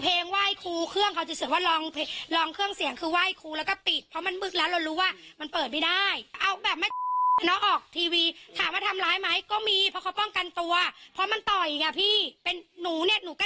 ไปควบคลุมตัวในสมศักดิ์เพราะว่าในสมศักดิ์เมาต์แล้วก็คลุมครั้งจริง